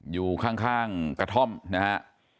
อยู่ข้างกระท่อมนะฮะ